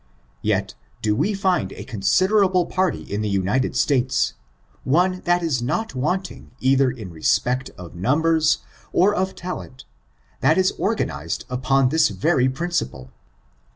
Tet do we find a considerable party in the United States, one that is not wanting either in respect of numbers or of talent, that is organized upon this very principle.